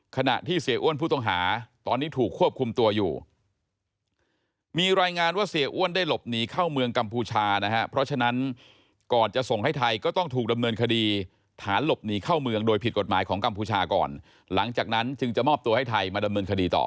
ขณะที่เสียอ้วนผู้ต้องหาตอนนี้ถูกควบคุมตัวอยู่